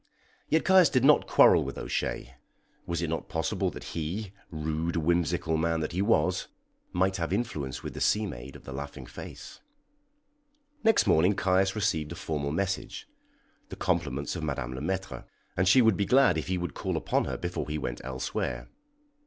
Yet Caius did not quarrel with O'Shea. Was it not possible that he, rude, whimsical man that he was, might have influence with the sea maid of the laughing face? Next morning Caius received a formal message the compliments of Madame Le Maître, and she would be glad if he would call upon her before he went elsewhere.